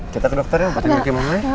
kita ke dokter ya baca jari mama ya